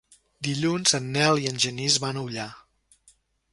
Dilluns en Nel i en Genís van a Ullà.